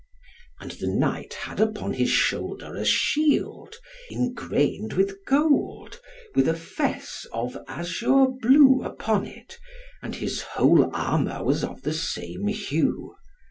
And the knight had upon his shoulder a shield, ingrained with gold, with a fesse of azure blue upon it, and his whole armour was of the same hue.